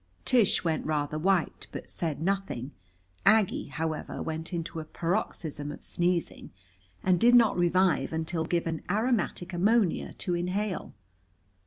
Tish went rather white, but said nothing. Aggie, however, went into a paroxysm of sneezing, and did not revive until given aromatic ammonia to inhale.